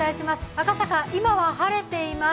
赤坂、今は晴れています。